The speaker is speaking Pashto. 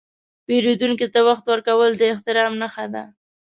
پیرودونکي ته وخت ورکول د احترام نښه ده.